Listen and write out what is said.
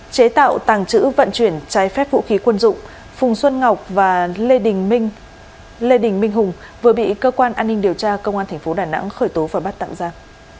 chế tạo tàng trữ vận chuyển trái phép vũ khí quân dụng phùng xuân ngọc và lê đình minh hùng vừa bị cơ quan an ninh điều tra công an tỉnh hà tĩnh khởi tố bắt tạm giam